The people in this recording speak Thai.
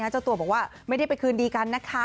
เจ้าตัวบอกว่าไม่ได้ไปคืนดีกันนะคะ